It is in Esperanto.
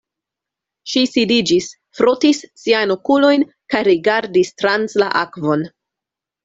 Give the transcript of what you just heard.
Ŝi sidiĝis, frotis siajn okulojn kaj rigardis trans la akvon.